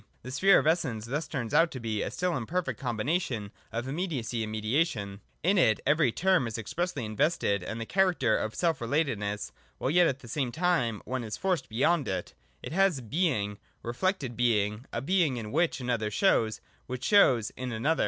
The sphere of Essence thus turns out to be a still imperfect combination of immediacy and mediation. In it every term is expressly invested with the character of self relatedness, while yet at the same time one is forced P 2 212 THE DOCTRINE OF ESSENCE. [114, 115 beyond it. It has Being, — reflected being, a being in which another shows, and which shows in another.